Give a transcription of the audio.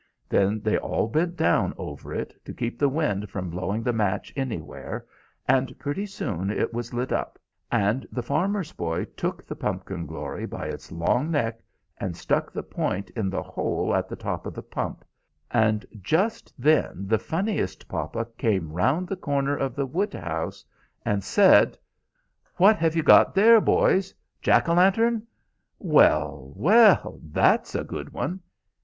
Then they all bent down over it to keep the wind from blowing the match anywhere, and pretty soon it was lit up, and the farmer's boy took the pumpkin glory by its long neck, and stuck the point in the hole in the top of the pump; and just then the funniest papa came round the corner of the wood house, and said: "'What have you got there, boys? Jack o' lantern? Well, well. That's a good one!'